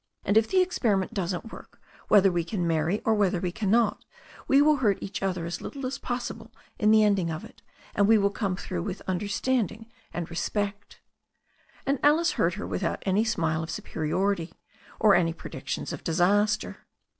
And if the experiment doesn't work, whether we can marry or whether we cannot, we will hurt each other as little as possible in the ending of it, and we will come through with understanding and respect." And Alice heard her without any smile of superiority, or any predictions of disaster.